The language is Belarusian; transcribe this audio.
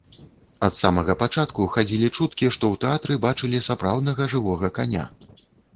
Ад самага пачатку хадзілі чуткі, што ў тэатры бачылі сапраўднага жывога каня.